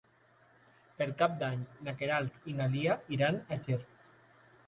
Per Cap d'Any na Queralt i na Lia iran a Ger.